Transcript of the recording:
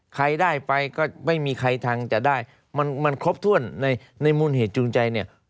ใครได้ไปก็ไม่มีใครทางจะได้มันครบถ้วนในมูลเหตุจูงใจเนี่ย